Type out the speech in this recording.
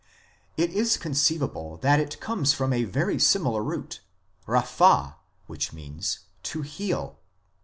It is conceivable that it comes from a very similar root (rapha ) which means " to heal."